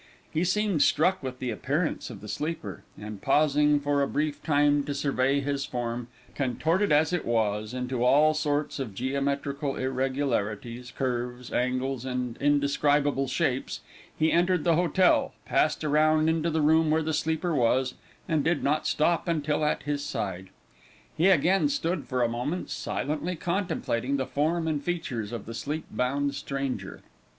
He seemed struck with the appearance of the sleeper, and pausing for a brief time to survey his form, contorted, as it was, into all sorts of geometrical irregularities, curves, angles, and indescribable shapes, he entered the hotel, passed around into the room where the sleeper was, and did not stop until at his side. He again stood for a moment, silently contemplating the form and features of the sleep bound stranger.